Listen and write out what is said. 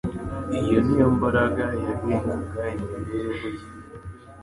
Iyo ni yo mbaraga yagengaga imibereho ye.